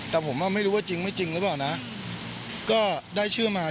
แต่ผมว่าไม่รู้ว่าจริงไม่จริงหรือเปล่านะก็ได้ชื่อมา